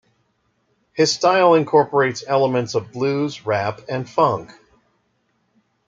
His style incorporates elements of blues, rap and funk.